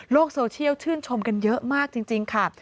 โซเชียลชื่นชมกันเยอะมากจริงค่ะ